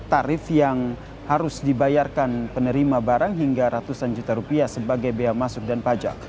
tarif yang harus dibayarkan penerima barang hingga ratusan juta rupiah sebagai bea masuk dan pajak